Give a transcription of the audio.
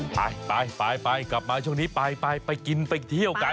ไปไปกลับมาช่วงนี้ไปไปกินไปเที่ยวกัน